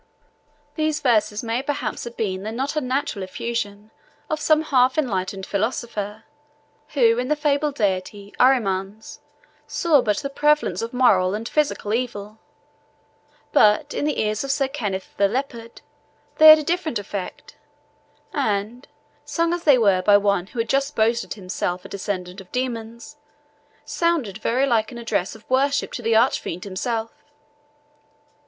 ] These verses may perhaps have been the not unnatural effusion of some half enlightened philosopher, who, in the fabled deity, Arimanes, saw but the prevalence of moral and physical evil; but in the ears of Sir Kenneth of the Leopard they had a different effect, and, sung as they were by one who had just boasted himself a descendant of demons, sounded very like an address of worship to the arch fiend himself.